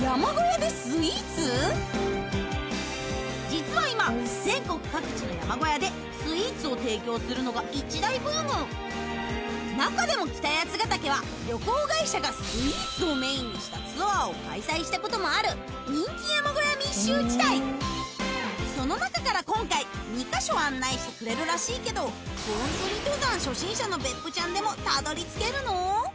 実は今全国各地の山小屋でスイーツを提供するのが一大ブーム中でも北八ヶ岳は旅行会社がスイーツをメインにしたツアーを開催したこともある人気山小屋密集地帯その中から今回２か所案内してくれるらしいけど本当に登山初心者の別府ちゃんでもたどりつけるの？